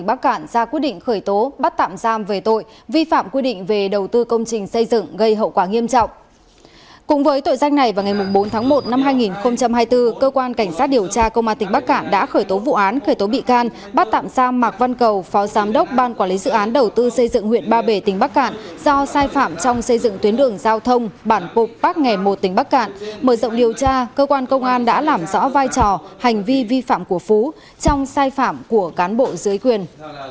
bác tạm sa mạc văn cầu phó giám đốc ban quản lý dự án đầu tư xây dựng huyện ba bể tỉnh bắc cạn do sai phạm trong xây dựng tuyến đường giao thông bản cục bắc nghề một tỉnh bắc cạn mở rộng điều tra cơ quan công an đã làm rõ vai trò hành vi vi phạm của phú trong sai phạm của cán bộ dưới quyền